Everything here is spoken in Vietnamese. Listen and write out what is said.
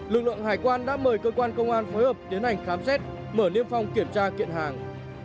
lực lượng hải quan đã mời cơ quan công an phối hợp tiến hành khám xét mở niêm phong kiểm tra kiện hàng